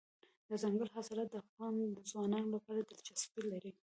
دځنګل حاصلات د افغان ځوانانو لپاره دلچسپي لري.